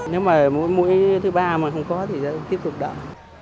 nếu mà mũi thứ ba mà không có thì sẽ tiếp tục đợi